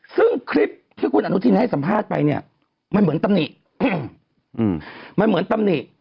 ซึ่งคลิปที่คุณอนุทิศให้สัมภาษณ์ไปเนี่ยไม่เหมือนตำหนิ